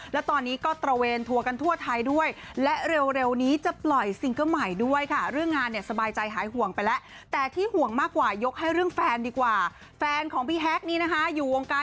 และตอนนี้ก็เตราเวนทัวร์กันทั่วไทยด้วย